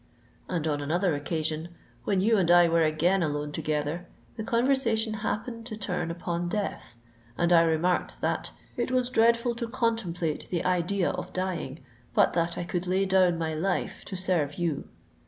_' And on another occasion, when you and I were again alone together, the conversation happened to turn upon death, and I remarked that '_it was dreadful to contemplate the idea of dying, but that I could lay down my life to serve you!